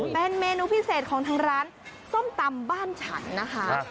เป็นเมนูพิเศษของทางร้านส้มตำบ้านฉันนะคะ